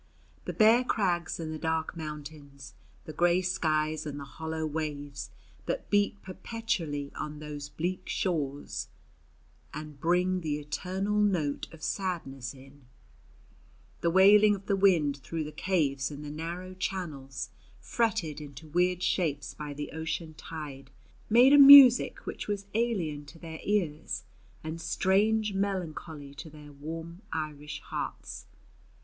The bare crags and the dark mountains, the grey skies and the hollow waves that beat perpetually on those bleak shores, and bring The eternal note of sadness in, the wailing of the wind through the caves and the narrow channels fretted into weird shapes by the ocean tide, made a music which was alien to their ears, and strangely melancholy to their warm Irish hearts.